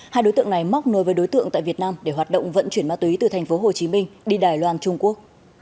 hai đối tượng này móc nối với đối tượng tại việt nam để hoạt động vận chuyển ma túy từ tp hcm đi đài loan trung quốc